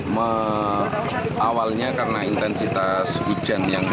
ya awalnya karena intensitas hujan yang